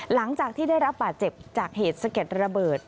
หลังจากที่ได้รับบาดเจ็บจากเหตุสะเก็ดระเบิด